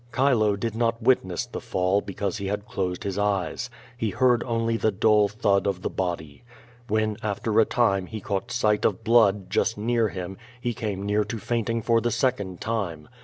Chilo di^ ndt witness the fall, because he had closed his eyes. He hea^d only the dull thud of the body. When, after a time, he caught sight of blood just near him, he came near fainting for the second time.